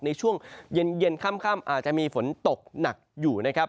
ในช่วงเย็นค่ำอาจจะมีฝนตกหนักอยู่นะครับ